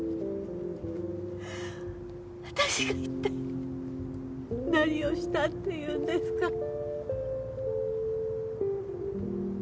私が一体何をしたっていうんですか。